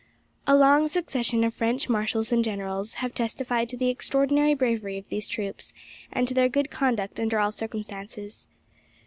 A long succession of French marshals and generals have testified to the extraordinary bravery of these troops, and to their good conduct under all circumstances.